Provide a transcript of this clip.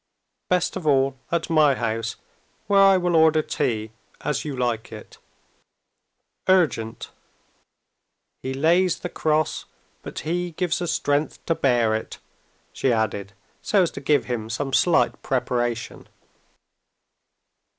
Best of all at my house, where I will order tea as you like it. Urgent. He lays the cross, but He gives the strength to bear it," she added, so as to give him some slight preparation.